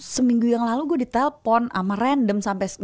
seminggu yang lalu gue di telpon sama random